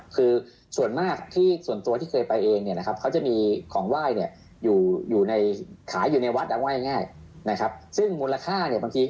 ซึ่งปีนี้จะเป็นวัทย์ไทยสวยแอ๊ยองค์ที่๓๙